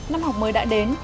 năm học mới đã đến